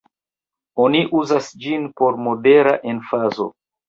Oni uzas ĝin por modera emfazo.